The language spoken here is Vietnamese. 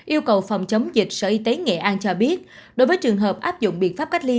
yêu cầu phòng chống dịch sở y tế nghệ an cho biết đối với trường hợp áp dụng biện pháp cách ly